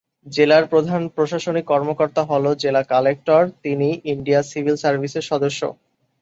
জেলার প্রধান প্রশাসনিক কর্মকর্তা হলো জেলা কালেক্টর, তিনি ইন্ডিয়া সিভিল সার্ভিসের সদস্য।